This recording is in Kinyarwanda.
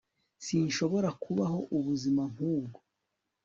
sinshobora kubaho ubuzima nk'ubwo